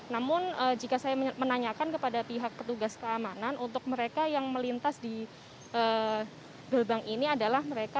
namun jika saya menanyakan kepada pihak petugas keamanan untuk mereka yang melintas di gerbang ini adalah mereka